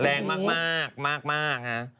แรงมากครับ